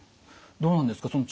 どうなんですか？